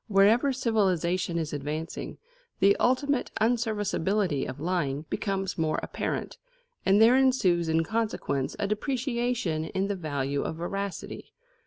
Wherever civilisation is advancing, the ultimate unserviceability of lying becomes the more apparent, and there ensues in consequence a depreciation in the value of veracity.